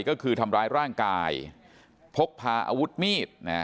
ก็คือทำร้ายร่างกายพกพาอาวุธมีด